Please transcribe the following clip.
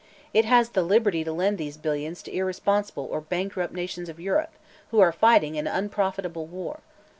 It has the 'liberty' to lend these billions to irresponsible or bankrupt nations of Europe, who are fighting an unprofitable war.